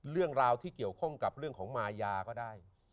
เรื่องราวที่เกี่ยวข้องกับเรื่องของมายาก็ได้